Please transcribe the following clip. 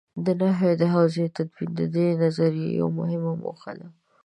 د نحوې د حوزې تدوین د دې نظریې یوه مهمه موخه ده.